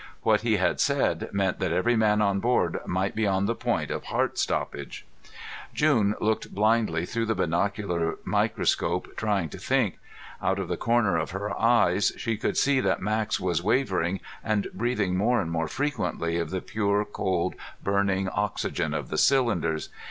What he had said meant that every man on board might be on the point of heart stoppage. June looked blindly through the binocular microscope, trying to think. Out of the corner of her eyes she could see that Max was wavering and breathing more and more frequently of the pure, cold, burning oxygen of the cylinders.